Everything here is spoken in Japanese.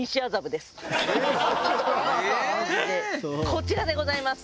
こちらでございます。